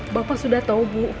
bapak sudah tahu bu